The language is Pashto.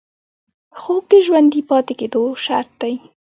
خوب د ژوندي پاتې کېدو شرط دی